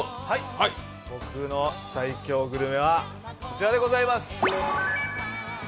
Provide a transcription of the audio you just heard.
僕の最強グルメはこちらでございます。